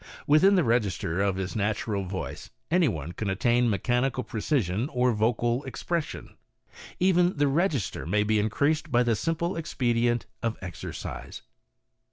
Within the register of his natural voice any one can attain mechanical precision of vocal expression. Even the register may be increased by ths simple expedient of exercise.